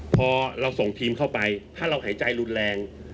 พอเราส่งทีมเข้าไปถ้าเราหายใจรุนแรง